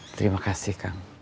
terima kasih kang